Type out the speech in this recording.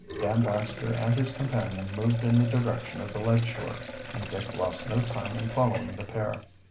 Dan Baxter and his companion moved in the direction of the lake shore, and Dick lost no time in following the pair.